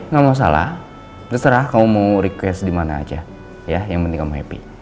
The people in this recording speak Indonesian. gak apa apa terserah kamu mau request dimana aja ya yang penting kamu happy